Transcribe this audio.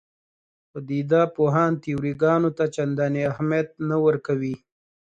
پدیده پوهان تیوري ګانو ته چندانې اهمیت نه ورکوي.